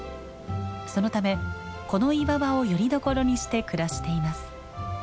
そのためこの岩場をよりどころにして暮らしています。